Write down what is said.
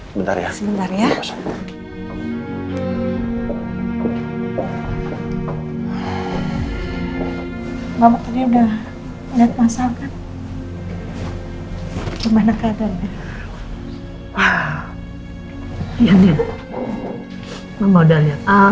sebentar ya sebentar ya mama tadi udah lihat masakan kemana keadaan ya nih mau dari atas